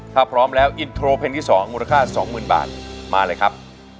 ถ้าพร้อมแล้วอินโทรเพลงที่๒มูลค่า๒๐๐๐บาทมาเลยครับ